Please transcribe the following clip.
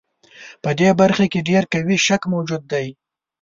په دې برخه کې ډېر قوي شک موجود دی.